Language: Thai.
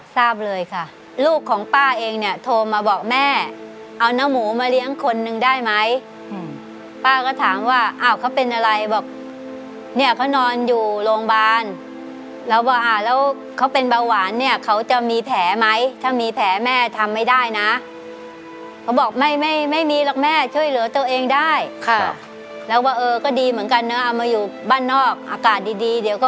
ทราบเลยค่ะลูกของป้าเองเนี่ยโทรมาบอกแม่เอาเนื้อหมูมาเลี้ยงคนนึงได้ไหมป้าก็ถามว่าอ้าวเขาเป็นอะไรบอกเนี่ยเขานอนอยู่โรงพยาบาลแล้วบอกอ่าแล้วเขาเป็นเบาหวานเนี่ยเขาจะมีแผลไหมถ้ามีแผลแม่ทำไม่ได้นะเขาบอกไม่ไม่ไม่มีหรอกแม่ช่วยเหลือตัวเองได้ค่ะแล้วว่าเออก็ดีเหมือนกันเนอะเอามาอยู่บ้านนอกอากาศดีดีเดี๋ยวก็